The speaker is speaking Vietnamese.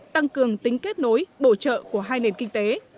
tăng cường tính kết nối bổ trợ của hai nền kinh tế